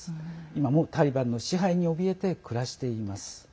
今もタリバンの支配におびえて暮らしています。